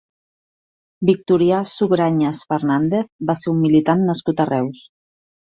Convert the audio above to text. Victorià Sugranyes Fernández va ser un militar nascut a Reus.